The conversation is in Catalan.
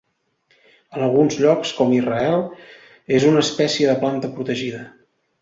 En alguns llocs, com Israel, és una espècie de planta protegida.